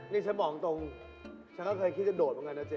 นี่ฉันบอกตรงฉันก็เคยคิดจะโดดเหมือนกันนะเจ๊